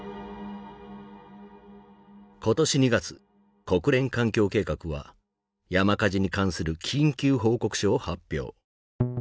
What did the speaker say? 今年２月国連環境計画は山火事に関する緊急報告書を発表。